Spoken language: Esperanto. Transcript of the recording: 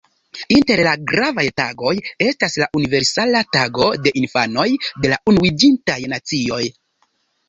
Inter la gravaj tagoj estas la "Universala tago de infanoj" de la Unuiĝintaj Nacioj.